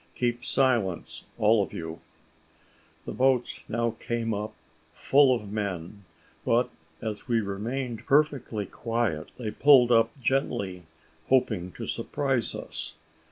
Keep silence, all of you." The boats now came up, full of men; but as we remained perfectly quiet, they pulled up gently, hoping to surprise us.